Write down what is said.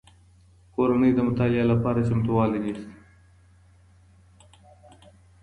کورنۍ د مطالعې لپاره چمتووالی نیسي.